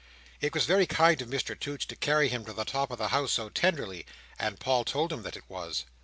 It was very kind of Mr Toots to carry him to the top of the house so tenderly; and Paul told him that it was.